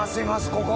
ここ。